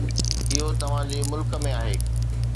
اهو توهان جي ملڪ ۾ آهي.